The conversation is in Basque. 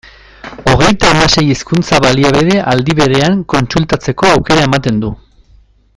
Hogeita hamasei hizkuntza-baliabide aldi berean kontsultatzeko aukera ematen du.